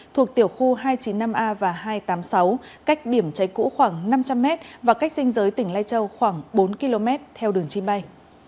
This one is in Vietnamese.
thuộc tiểu khu hai trăm chín mươi năm a và hai trăm tám mươi sáu cách điểm cháy cũ khoảng năm trăm linh m và cách dinh giới tỉnh lai châu khoảng bốn km theo đường chim bay